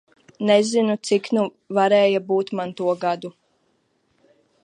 Nezinu, cik nu varēja būt man to gadu.